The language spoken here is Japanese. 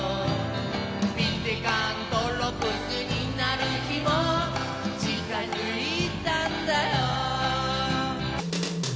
ピテカントロプスになる日も近づいたんだよ